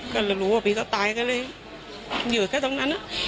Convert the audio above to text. ก็รู้ว่าพี่เขาตายก็เลยอยู่แค่ตรงนั้น